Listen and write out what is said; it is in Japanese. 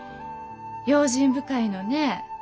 用心深いのね。